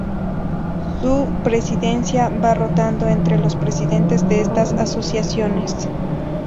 Su presidencia va rotando entre los presidentes de estas asociaciones.